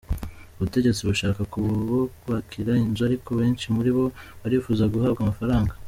Ubutegetsi bushaka kububakira inzu ariko benshi muri bo barifuza guhabwa amafaranga.